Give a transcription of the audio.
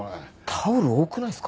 タオル多くないっすか？